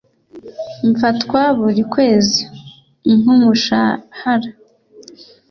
mfatwa buri kwezi nk’umushahara